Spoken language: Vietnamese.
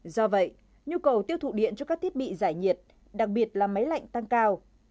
do vậy nhu cầu tiêu thụ điện cho các thiết bị giải nhiệt đặc biệt là máy lạnh tăng cao